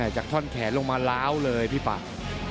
จากท่อนแขนลงมาล้าวเลยพี่ปาก